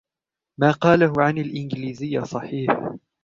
ما قاله عن الإنجليزية صحيح.